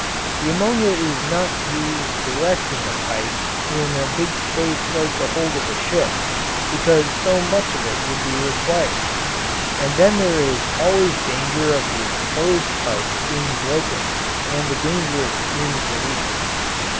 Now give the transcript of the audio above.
The ammonia is not used direct in the pipes in a big space like the hold of a ship, because so much of it would be required, and then there is always danger of the exposed pipes being broken and the dangerous fumes released.